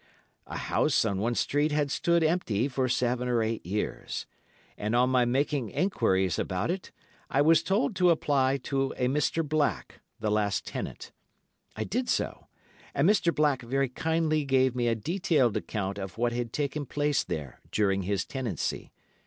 A house in —— Street had stood empty for seven or eight years, and on my making enquiries about it, I was told to apply to a Mr. Black, the last tenant. I did so, and Mr. Black very kindly gave me a detailed account of what had taken place there during his tenancy.